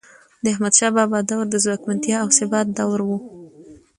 د احمدشاه بابا دور د ځواکمنتیا او ثبات دور و.